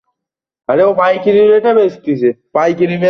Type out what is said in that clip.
দক্ষিণ এশিয়া, দক্ষিণ পূর্ব এশিয়া, পূর্ব এশিয়ার দেশ গুলোতে এদের দেখা মিলে।